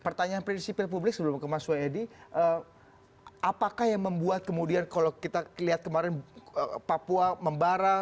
pertanyaan prinsipil publik sebelum ke mas wedi apakah yang membuat kemudian kalau kita lihat kemarin papua membara